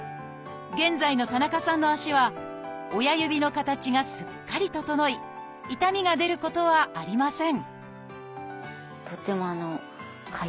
現在の田中さんの足は親指の形がすっかり整い痛みが出ることはありません